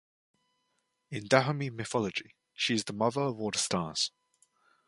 In Dahomey mythology, she is the mother of all the stars.